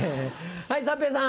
はい三平さん。